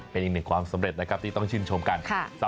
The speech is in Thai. เป็นอีกหนึ่งความสำเร็จที่ต้องชินชมกัน